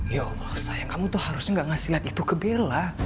ya allah sayang kamu tuh harusnya gak ngasih lihat itu ke bel lah